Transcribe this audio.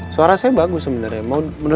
suara saya bagus sebenernya mau denger